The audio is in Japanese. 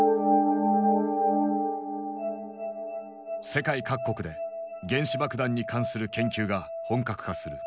世界各国で原子爆弾に関する研究が本格化する。